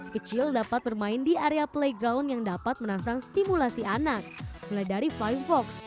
kecil dapat bermain di area playground yang dapat menanam stimulasi anak mulai dari firefox